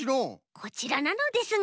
こちらなのですが。